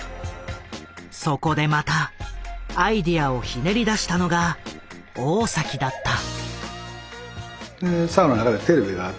そこでまたアイデアをひねり出したのが大だった。